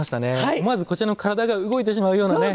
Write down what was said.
思わずこちらの体が動いてしまうようなね